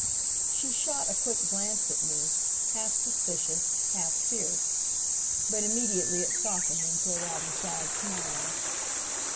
She shot a quick glance at me, half suspicious, half fierce; but immediately it softened into a rather sad smile.